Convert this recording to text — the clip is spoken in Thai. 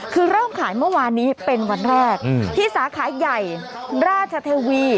คือเริ่มขายเมื่อวานนี้เป็นวันแรกที่สาขาใหญ่ราชเทวี